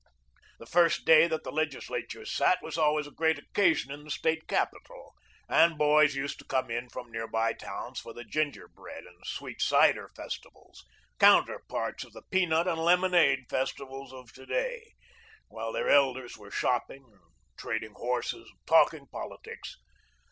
The first day that the legislature sat was always a great occasion in the State capital, and boys used to come in from near by towns for the gingerbread and sweet cider festivals, counterparts of the pea nut and lemonade festivals of to day, while their elders were shopping, trading horses, and talking politics.